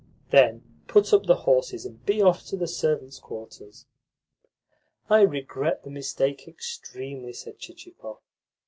Then put up the horses, and be off to the servants' quarters." "I regret the mistake extremely," said Chichikov.